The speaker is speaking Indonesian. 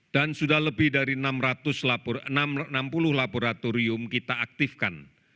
dan sudah lebih dari enam puluh laboratorium kita aktifkan